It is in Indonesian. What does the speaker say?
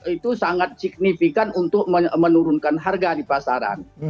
itu sangat signifikan untuk menurunkan harga di pasaran